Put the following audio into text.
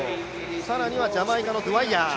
さらにはジャマイカのドウァイヤー。